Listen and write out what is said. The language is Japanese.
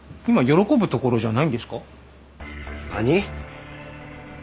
今喜ぶところじゃないんですか？